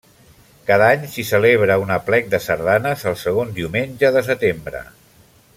Cada any s'hi celebra un aplec de sardanes el segon diumenge de setembre.